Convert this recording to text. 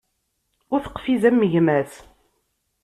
Ur teqfiz am gma-s.